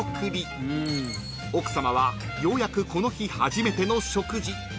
［奥さまはようやくこの日初めての食事］